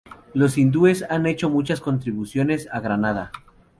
Los hindúes han hecho muchas contribuciones a Granada.